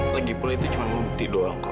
lagi pulang itu cuma bukti doang kok